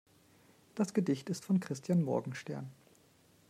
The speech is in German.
Das Gedicht ist von Christian Morgenstern.